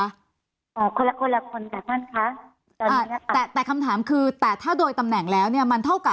คนละคนละคนค่ะท่านค่ะแต่คำถามคือแต่ถ้าโดยตำแหน่งแล้วเนี่ย